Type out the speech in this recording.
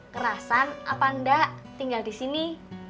kerasan apa enggak tinggal disini